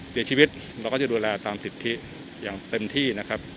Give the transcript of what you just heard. เสียชีวิตเราก็จะดูแลตามสิทธิอย่างเต็มที่นะครับ